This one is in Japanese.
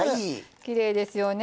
きれいですよね